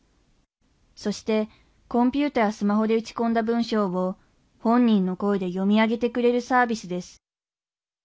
そしてコンピューターやスマホで打ち込んだ文章を本人の声で読み上げてくれるサービスです